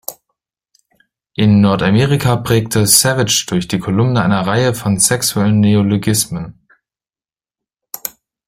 In Nordamerika prägte Savage durch die Kolumne eine Reihe von sexuellen Neologismen.